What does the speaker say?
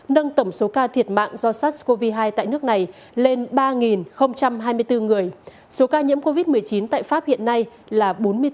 nâng tổng số ca thiệt mạng do sars cov hai tại nước này lên ba hai mươi bốn người số ca nhiễm covid một mươi chín tại pháp hiện nay là bốn mươi bốn năm trăm năm mươi